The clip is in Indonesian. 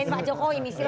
dengan pak jokowi ini sih